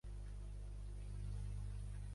Va realitzar exposicions per Espanya i l'estranger.